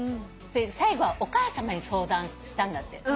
最後はお母さまに相談したんだって。